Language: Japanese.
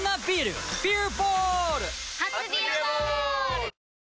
初「ビアボール」！